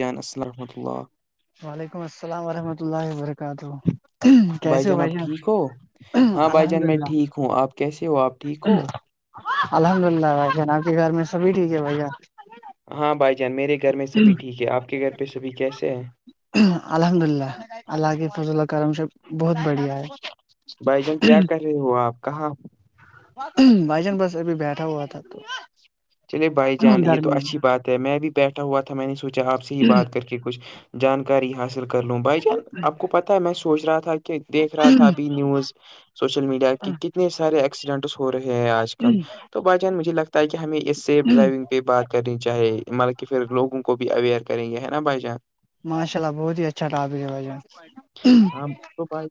یانس رحمۃ اللہ وعلیکم السلام ورحمۃ اللہ وبرکاتہ بھائی جان آپ ٹھیک ہو ہاں بھائی الحمد جان میں للہ ٹھیک ہوں آپ کیسے ہو آپ ٹھیک ہو الحمد للہ بھائی ج آام کے گھر میں سبھی ٹھیک ہے بھیا ہاں بھائی جان میرے گھر میں سبھی ٹھیک ہے آپ کے گھر پہ سبھی کیسے ہیں الحمد اللہ اللہ کی فض اللہ کرم شب بہت بڑھیا ہے بھائی جان کیا کر رہے ہو آپ کہاں بھائی چان بس ابھی بیٹھا ہوا تھا تو چلے بھائی جان یہ تو گرمی اچھی بات ہے میں بھی بیٹھا ہوا تھا میں نے سوچا آپ سے ہی بات کر کے کچھ جانکاری حاصل کر لوں بھائی جان آپ کو پتاہ ہے میں سوچ رہا تھا کہ دیکھ رہا تھا ابھی نیوز سوشل میڈیا کی میں اتنے سارے ایکسیڈنٹس ہو رہے ہیں آج کل تو بائی چان مجھے لگتا ہے کہ ہمیں یہ سیف ڈرائیونگ پہ بات کرنی چاہے مطلب کہ پھر لوگوں کو بھی اویئر کریں گے ہے نا بھائی جان ماشاء اللہ بہت ہی اچھا ٹاپے وجہ ہاں تو بائ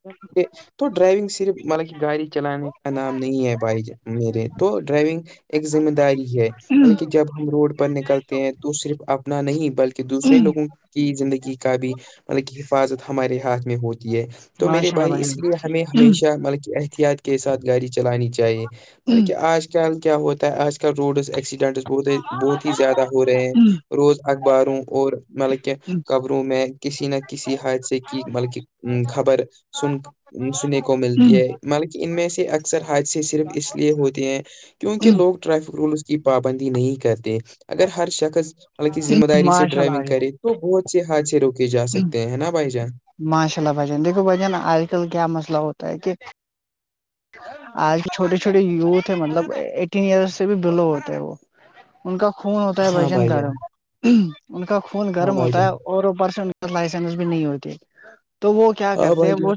تو ڈرائیونگ صرف مطلب کہ گاڑی چلانے کا نام نہیں ہے بھائی میرے تو ڈرائیونگ ایک ذمہ داری ہے مطلک جان جب ہم روڈ پر نکلتے ہیں تو صرف اپنا نہیں بلکہ دوسرے لوگوں کی زندگی کا بھی مطلب کہ حفاظت ہمارے ہاتھ میں ہوتی ہے تو میرے ماشاء اللہ بھائی اس لیے جان ہمیں ہمیشہ ملی احتیاط کے ساتھ گاڑی چلانی چاہیے چاہے مط کہ آج کل کیا ہوتا ہے آج کل روڈز ایکسیڈنٹ بہت ہی بہت ہی زیادہ ہو رہے ہیں روز اخباروں اور مطلب کہ خبروں میں کسی نہ کسی حادثے کی مطلک خبر سن سننے کو ملتی ہے مطلبک ان میں سے اکثر حادثے صرف اس لیے ہوتے ہیں کیونکہ لوگ ٹریفک رولس کی پابندی نہیں کرتے اگر ہر شخص مطلب کہ ذمہ داری سے ماشاء اللہ ڈرائیونگ بھائی جان کرے تو بہت سے حادثے روکے جا سکتے ہیں نا بھائی جان ماشاء اللہ بھائیان دیکھو بھائیان آج کل کیا مسئلہ ہوتا ہے کہ آج کے چھوٹے چھوٹے یوتھ ہے مطلب ایٹین ایئرس سے بھی بلو ہوتے ہیں وہ ان کا خون ہوتا ہے ہاں بھجن بھائی جان گرم ان کا خون ہاں گرم بھائی ہوتا ہے جان اور پرس لائسنس بھی نہیں ہوتی تو وہ کیا ہاں کرتے بھائی جان وہ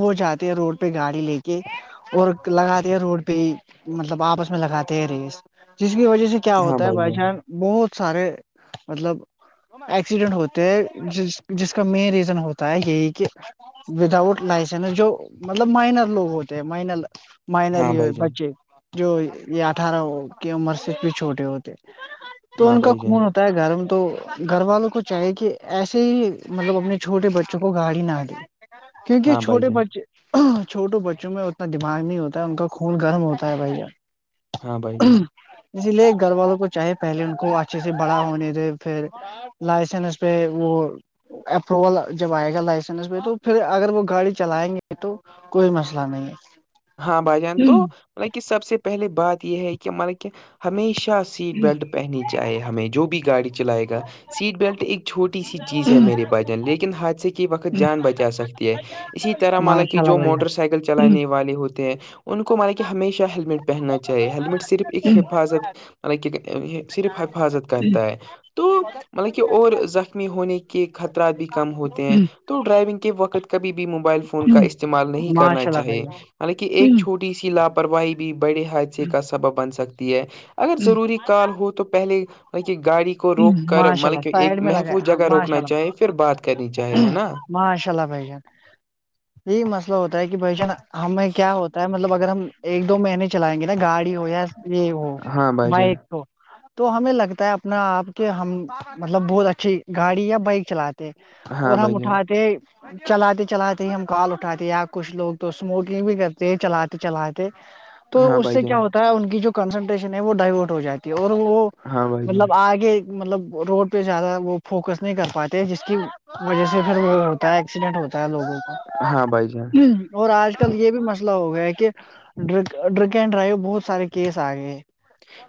وہ جاتے ہیں روڈ پہ گاڑی لے کے اور لگاتے ہیں روڈ پہ مطلب آپس میں لگاتے رہیس جس کی وجہ سے کیا ہاں ہوتا ہے بھائی بائی جان بہت سارے مطلب ایکسیڈنٹ ہوتے ہیں جس جس کا مین ریزن ہوتا ہے یہی کہ وداؤٹ لائسنس جو مطلب مائنر لوگ ہو مائنر مائنر ہاں ہی بھائی جان بچے جو یہ اٹھارہ کی عمر سے بھی چھوٹے ہوتے تو ہاں ان کا بھائی جان خون ہے گھر میں تو گھر والوں کو چاہیے کہ ایسے ہی مطلب اپنے چھوٹے بچوں کو گاڑی نہ دے ہاں کیونکہ بھائی چھوٹے جان بچے چھوٹو بچے بچوں میں اتنا دماغ نہیں ہوتا ہے ان کا خون گرم ہوتا ہے بھیا ہاں بھائی جن اسی لیے گھر والوں کو چاہے پہلے ان کو اچھے سے بڑا ہونے دے پھر لائسنس پہ وہ اپروول جب آئے گا لائسنس پہ تو پھر اگر وہ گاڑی چلائیں گے تو کوئی مسئلہ لے ہاں بھائی جان تو مطلب کہ سب سے پہلے بات یہ ہے کہ مطل کہ ہمیشہ سیٹ بیلٹ پہنی چاہے ہمیں جو بھی گاڑی چلائے گا سیٹ بیلٹ ایک چھوٹی سی چیز ہے میرے بھجن لیکن حادثے کے وقت جان بچا سکتی ہے اسی طرح مطانا کہ ماشاء جو اللہ بھیا موٹر سائیکل چلانے والے ہوتے ہیں ان کو مانا کہ ہمیشہ ہیلمٹ پہننا چاہیے ہیلمٹ صرف ایک حفاظت مط کہ صرف حفاظت کرتا ہے تو بت مطلب کہ اور زخمی ہونے کے خطرات بھی کم ہوتے ہیں تو ڈرائیونگ کے وقت کبھی بھی موبائل فون کا استعمال نہیں کرنا ماشاء اللہ چاہے بھیا حالانہ ایک چھوٹ ٹی سی لاپرواہی بھی بڑے حادثے کا سبب بن سکتی ہے اگر ضروری کال ہو تو تو پہلے وہ کی گاڑی کو کو روک کر ماشاء اللہ مطلب کہ ایک سائڈ میں لگایا محفوظ ہاں جگہ ماشاء روکنا اللہ چاہے پھر بات کرنی چاہے ہے نا ماشاء اللہ بھائی جان یہی مسئلہ ہوتا ہے کہ بھائی جان ہمیں کیا ہوتا ہے مطلب اگر ہم ایک دو مہینے چلائیں گے نا گاڑی ہو یا یہ وہ ہاں بھائی جان بائک تو تو ہمیں لگتا ہے نا آپ کے ہم مطلب بہت اچھی گاڑی یا بائک چلاتے ہاں اور س بھائی جان مٹھاتے چلاتے چلاتے ہی ہم کال اٹھاتے ہیں یا کچھ لوگ تو اسموکنگ بھی کرتے ہیں چلاتے چلاتے تو ہاں اس بھائی سے جان کیا ہوتا ہے ان کی جو کنسنٹریشن ہے وہ ڈائیورٹ ہو جاتی ہے اور وہ ہاں بھائی جان مطلب آگے مطلب روڈ پہ زیادہ وہ فوکس نہیں کر پاتے جس کی وجہ سے پھر وہ ہوتا ہے ایکسیڈنٹ ہوتا ہے لوگوں کو ہاں بھائی جان اور آج کل یہ بھی مسئلہ ہو گیا ہے کہ ج ڈرک ڈرک اینڈ ڈرائیو بہت سارے کیس آ گئے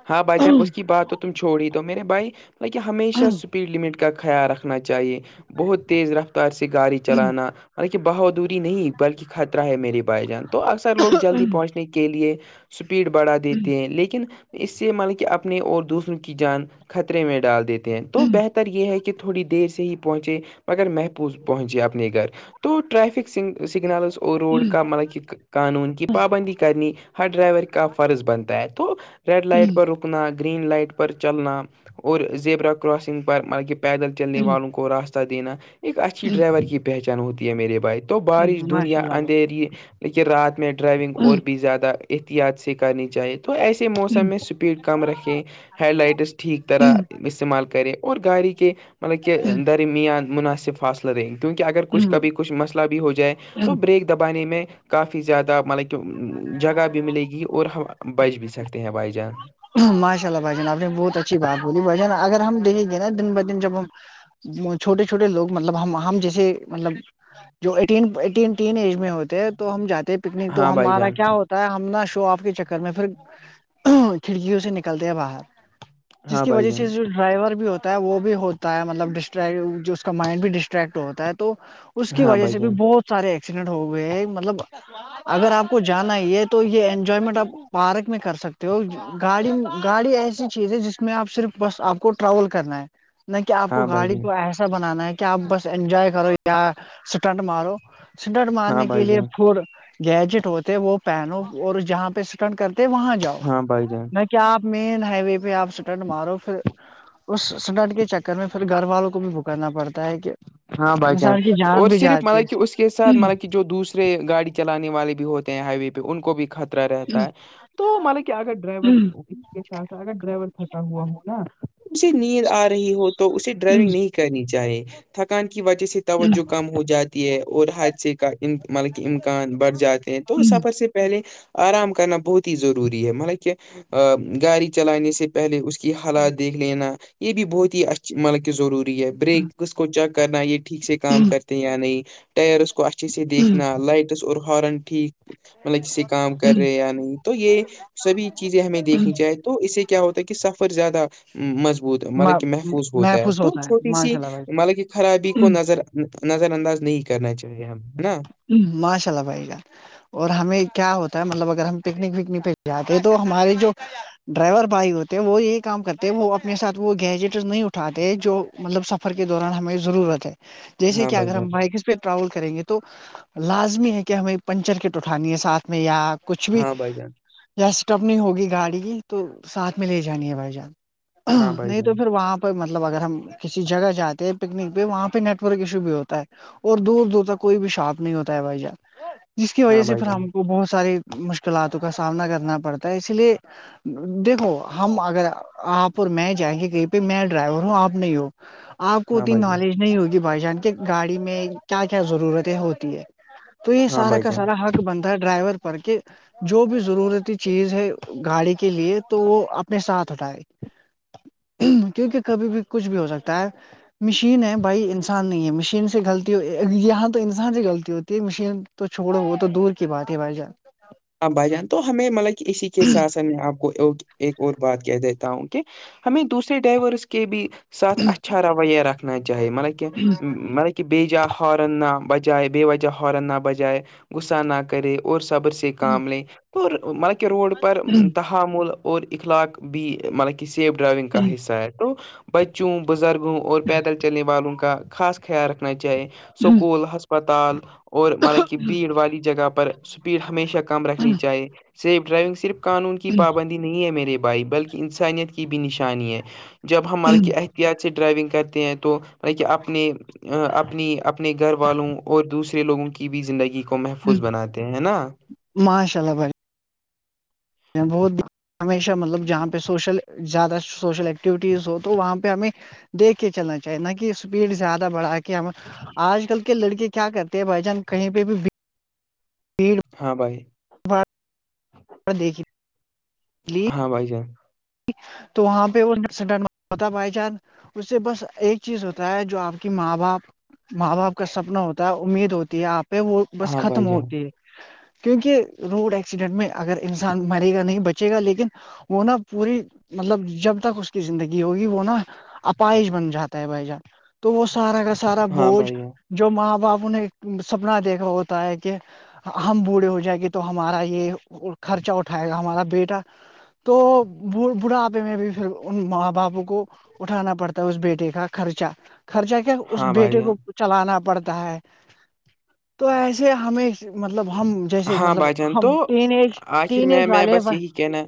ہاں بھائی جان اس کی بات تو تم چھوڑ ہی دو میرے بھائی ب کہ ہمیشہ اسپیڈ لمٹ کا خیال رکھنا چاہیے بہت تیز رفتار سے گاڑی چلانا کہ بہادوری نہیں بلکہ خطرہ ہے میرے بھائی جان تو اکثر لوگ جلدی پہنچنے کے لیے اسپیڈ بڑھا دیتے ہیں لیکن اس سے مطلب کہ اپنے اور دوسروں کی جان خطرے میں ڈال دیتے ہیں تو بہتر ر یہ ہے کہ تھوڑی دیر سے ہی پہنچے مگر محفوظ پہنچے اپنے گھر تو ریفک سگ سگنلز اور روڈ کا مطلب کہ قانون کی پابندی کرنی ہر ڈرائیور کا فرض بنتا ہے تو ریڈ لائٹ پر رکنا گرین لائٹ پر چلنا اور زیبرا کراسنگ پر مطل کہ پیدل چلنے والوں کو راستہ دینا ایک اچھی ڈرائیور کی پہچان ہوتی ہے میرے باتک تو بارش دنیا ماشاء اللہ اندھیری لیکن رات میں ڈرائیونگ اور بھی زیادہ احتیاط سے کرنی چاہیے تو ایسے موسم میں اسپیڈ کم رکھیں ہیڈ لائٹس ٹھیک طرح استعمال کریں اور گاڑی کے مطلب کہہ درمیان مناسب فاصلہ رہیں گے کیونکہ اگر کچھ کبھی کچھ مسئلہ بھی ہو جائے تو بریک دبانے میں کافی زیادہ مطلب کہ جگہ بھی ملے گی اور ہم بچ بھی سکتے ہیں بھائی جان ماشاء اللہ بھائی جان آپ نے بہت اچھی بات بولی بھائیان اگر ہم دیکیں گے نا دن بہ دن جب ہم چھوٹے چھوٹے لوگ مطلب ہم ہم جیسے مطلب جو ایٹین ایٹین تین ایج میں ہوتے ہیں تو ہم جاتے پکنک تو ہاں بھائی ہمارا جان کیا ہوتا ہے ہم نا شو آپ کے چکر میں پھر کھڑکیوں سے نکلتے ہیں باہر جس ہاں کی بھائی وجہ سے جان جو ڈرائیور بھی ہوتا ہے وہ بھی ہوتا ہے مطلب ڈٹر اس کا مائنڈ بھی ڈسٹریکٹ ہوتا ہے تو اس کی ہاں وجہ بھائی سے بھی جان بہت سارے ایکسیڈنٹ ہو گئے ہیں مطلب اگر آپ کو جانا ہے یہ تو یہ انجوائمنٹ آپ پارک میں کر سکتے ہو گاڑی گاڑی ایسی چیز ہے جس میں آپ صرف بس آپ کو ٹراول کرنا ہے نہ کہ آپ کو ہاں بھائی گاڑی جان کو ایسا بنانا ہے کیا آپ بس انجوائے کرو یا سٹنٹ مارو سٹنٹ ہاں مارنے کے بھائی لیے جان پڈ گیجٹ ہوتے ہے وہ پینوں اور جہاں پہ اسٹنٹ کرتے وہاں جاؤ ہاں بائی جائے کیا آپ مین ہائی وے پہ آپ سٹر مارو پھر اس سٹٹ کے چکر میں پھر گھر والوں کو بھی بک کرنا پڑتا ہے کہ ہاں بھائی جان انسان کی اور بھی صرف جاتی ہے مطلب کہ اس کے ساتھ مطلب کہ جو دوسرے گاڑی چلے والے بھی ہوتے ہیں ہائی وے پہ ان کو بھی ختم رہتا ہے تو ملا کیا اگر ڈرائیور ہوگی سھ ساتھ اگر ڈرائیور تھکا ہوا ہو نا اسے نیند آ رہی ہو تو اسے ڈرائیونگ نہیں کرنی چاہے تھکان کی وجہ سے تو توجہ کم ہو جاتی ہے اور حادثے کا مطلب کہ امکان بڑھ جاتے ہیں تو سفر سے پہلے آرام کرنا بہت ہی ضروری ہے مطلب کہ گاڑی چلانے سے پہلے اس کے کی حالات دیکھ لینا یہ بھی بہت ہی اچ مطلب کہ ضروری ہے بریک کس کو چیک کرنا یہ ٹھیک سے کام کرتے یا نہیں ٹائرس کو اچھے سے دیکھنا لائٹس اور ہارن ٹھیک مطلب کسی کام کر رہے یا نہیں تو یہ سبھی چیزیں ہمیں دیکھنی چاہیں تو اس سے کیا ہوتا ہے کہ سفر زیادہ مضبوط مطلب کہ محفوظ ہوتا ہے محفوظ تو چھوٹی سی ماشاء اللہ بھائی مطلب کی خرابی کو نظر نظر انداز نہیں کرنا چاہیے ہم ہے نا ہ معشء ال باائی گ اور ہمیں کیا ہوتا ہے مطلب اگر ہم پکنک وکنک پہ جاتے تو ہمارے جو ڈرائیور بھائی ہوتے ہیں وہ یہی کام کرتے وہ اپنے ساتھ وہ گیجٹ نہیں اٹھاتے جو مطلب سفر کے دوران ہمیں ضرورت ہے جیسے ہاں کہ بھائی اگر ہم جان بائکس پہ ٹریاول کریں گے تو تو لازمی ہے کہ ہمیں پنچر کےٹ اٹھانی ہے ساتھ میں یا کچھ بھی ہاں بھائی جان یا اسٹپ نہیں ہوگی گاڑی کی تو ساتھ میں لے جانی ہے بھائی جان ہاں بھائی نہیں تو جان پھر وہاں مطلب اگر ہم کسی جگہ جاتے ہیں پکنک پہ وہاں پہ نیٹ ورک ایشو بھی ہوتا ہے اور دور دور تک کوئی بھی شارپ نہیں ہوتا ہے بھائی جہ جس کی وجہ ہاں سے بھائی پھر جان ہم کو بہت سارے مشکلاتوں کا سامنا کرنا پڑتا ہے اس لیے دیکھو ہم اگر آپ اور میں جائیں گے کہیں پہ میں ڈرائیور ہوں آپ نہیں ہو آپ کو ہاں اتنی بھائی جان نالج نہیں ہوگی بھائی جان کے گاڑی میں کیا کیا ضرورتیں ہوتی ہے تو یہ ہاں سارا بھائی کا جان سارا حق بنتا ہے ڈرائیور پر کہ جو بھی ضرورتی چیز ہے گاڑی کے لیے تو وہ اپنے ساتھ اٹھائے کیونکہ کبھی بھی کچھ بھی ہو سکتا ہے مشین ہے بھائی انسان نہیں ہے مشین سے غلطی ہویا ہاں تو انسان سے غلطی ہوتی ہے مشین تو چھوڑو ہو تو دور کی بات ہے بھائی جان آپ بھائی جان تو ہمیں مطلب کہ اسی کے ساتھ سن میں آپ کو اوک ایک اور بات کہہ دیتا ہوں کہ ہمیں دوسرے ڈائیورس کے بھی ساتھ اچھا روییہ رکھنا چاہی مطلب کہ مطلب کہ بی جا ہارن نہ بجائے ب وجہ ہارن نہ بجائے غصا نہ کرے اور صبر سے کام لیں اور مطلب کہ روڈ پر تحمل اور اخلاق بھی مطلب سیف ڈرائیونگ کا حصہ ہے تو بچوں بزرگوں اور پیدل کے چلنے والوں کا خاص خیال رکھنا چاہی سکول ہسپتال اور مطلب کی بھیڑ والی جگہ پر اسپیڈ ہمیشہ رکھنی چاہیے سیف ڈرائیونگ صرف قانون کی پابندی نہیں ہے میرے بھائی بلکہ انسانیت کی بھی نشانی ہے جب ہم ملکہ اہتی اچھے ڈرائیونگ کرتے ہیں توط کہ اپنے اپنی اپنے گھر والوں اور دوسرے لوگوں کی بھی زندگی کو محفوظ بناتے ہیں نا ماشا ال بڑ بہت ہمیشہ مطلب جہاں پہ سوشل زیادہ سوشل ایکٹیویٹیز ہو تو وہاں پہ ہمیں دیکھ کے چلنا چاہی نہ کہ اسپیڈ زیادہ بڑھا کے کیا ہم آج کل کے لڑکے کیا کرتے ہیں بھائی جان کہیں پہ بھی بھیڑ ہاں بھائی دیکھی لی ہاں بھائی جان تو وہاں پہ بائی چان اس سے بس ایک چیز ہوتا ہے جو آپ کی ماں باپ ماں باپ کا سپنا ہوتا ہے امید ہوتی ہے آپ پہ وہ بس ہاں بھائی ختم جان ہوتی ہے کیونکہ روڈ ایکسیڈنٹ میں اگر انسان مرے گا نہیں بچے گا لیکن وہ نا پوری مطلب جب تک اس کی زندگی ہوگی وہ نا اپائش بن جاتا ہے بھائی جان تو وہ سارا کا سارا ہاں بوجھ بھائی جان جو ماں باپوں نے سپنا دیکھا ہوتا ہے کہ ہم بوڑھے ہو جائےیں گے تو ہمارا یہ خرچہ اٹھائے گا ہمارا بیٹا تو بڑھاپے میں بھی پھر ان ماں باپوں کو اٹھانا پڑتا ہے اس بیٹے کا خرچہ خرچہ کیا اس ہاں بھائی بیٹے جان کو چلانا پڑتا ہے تو ایسے ہمیں مطلب ہم جیسے ہاں مطلب بھائی جان تو ہم ین ایج ین ایج والے ٹھیک ن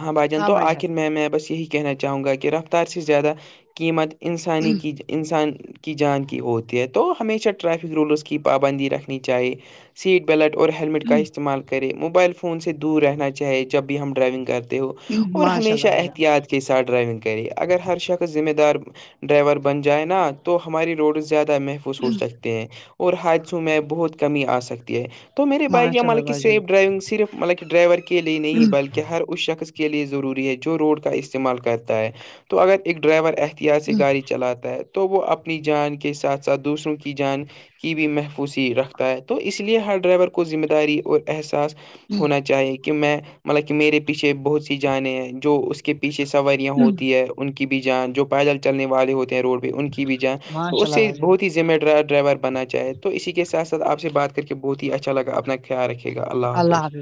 ہاں بھائی جان تو آخر میں میں بس یہی کہنا چاہوں گا کہ رفتار سے زیادہ قیمت انسانی کی انسان کی جان کی ہوتی ہے تو ہمیشہ ٹریفک رولس کی پابندی رکھنی چاہیے سیٹ بیلٹ اور ہیلمٹ کا استعمال کرے موبائل فون سے دور رہنا چاہے جب بھی ہم ڈرائیونگ کرتے ہو جان اور ماشاء ہمیشہ اللہ بھائی جان احتیاط کے ساتھ ڈرائیونگ کرے اگر ہر شخص ذمہ دار ڈرائیور بن جائے نا تو ہماری روڈ زیادہ محفوظ س ہو سکتے ہیں اور حادثوں میں بہت کمی آ سکتی ہے تو میرے بائک یا ماشاء اللہ مطلب کہ بھائی سیف ڈرائیونگ صرف مطلب کہ ڈرائیور کے لیے نہیں ہے جان بلکہ ہر اس شخص کے لیے ضروری ہے جو روڈ کا استعمال کرتا ہے تو اگر ایک ڈرائیور ایس سے گاڑی چلاتا ہے تو وہ اپنی جان کے ساتھ ساتھ دوسروں کی جان کی بھی محفوظی رکھتا ہے تو اس لیے ہر ڈرائیور کو ذمہ داری اور احساس ہونا چاہیے کہ میں مطلب کہ میرے پیچھے بہت سی جانیں ہیں جو اس کے کے پیچھے سواریاں ہوتی ہے ان کی بھی جان جو پیدل چلنے والے ہوتے ہیں روڈ ان کی بھی جاں تو ماشاء اس اللہ سے بھائی جان بہت ہی ذمہ دار ڈرائیور بنا چاہے تو اسی کے ساتھ ساتھ آپ سے بات کر کر کے بہت ہی اچھا لگا اپنا خیال رکھے گا اللہ حافظ